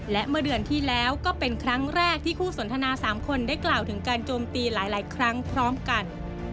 และเมื่อเดือนที่แล้วก็เป็นครั้งแรกที่คู่สนทนา๓คนได้กล่าวถึงการโจมตีหลายครั้งพร้อมกัน